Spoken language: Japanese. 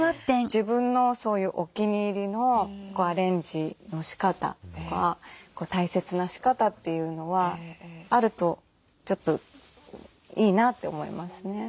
自分のそういうお気に入りのアレンジのしかたとか大切なしかたっていうのはあるとちょっといいなと思いますね。